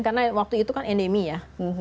karena waktu itu kan endemi ya